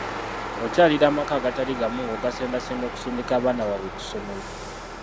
Okyalira amaka agatali gamu ng'ogasendasenda okusindika abaana baabwe ku ssomero.